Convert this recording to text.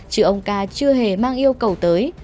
chứ ông ca chưa hề mang yêu cầu tới